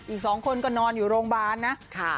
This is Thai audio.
อีก๒คนก็นอนอยู่โรงพยาบาลนะ